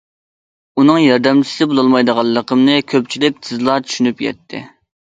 ئۇنىڭ ياردەمچىسى بولالمايدىغانلىقىمنى كۆپچىلىك تېزلا چۈشىنىپ يەتتى.